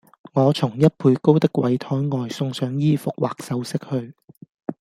我從一倍高的櫃臺外送上衣服或首飾去，